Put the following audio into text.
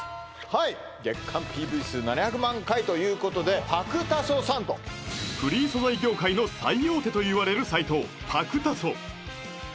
はい月間ＰＶ数７００万回ということでぱくたそさんとフリー素材業界の最大手といわれるサイト「ぱくたそ」